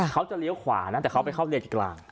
เขาจะเลี้ยวขวานะแต่เขาไปเข้าเลนกลาง